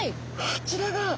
あちらが。